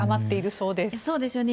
そうですよね。